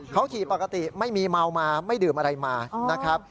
เขาขี่ปกติไม่มีเมามาไม่ดื่มอะไรมานะครับ